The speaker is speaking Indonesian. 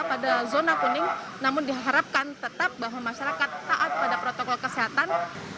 pada zona kuning namun diharapkan tetap bahwa masyarakat taat pada protokol kesehatan